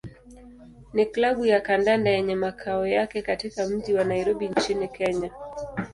ni klabu ya kandanda yenye makao yake katika mji wa Nairobi nchini Kenya.